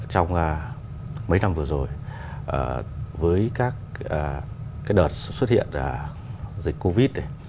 trong mấy năm vừa rồi với các cái đợt xuất hiện dịch covid